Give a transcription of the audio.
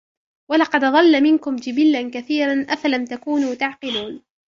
ولقد أضل منكم جبلا كثيرا أفلم تكونوا تعقلون